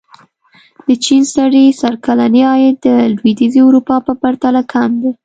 د چین سړي سر کلنی عاید د لوېدیځې اروپا په پرتله کم دی.